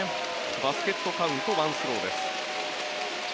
バスケットカウントワンスローです。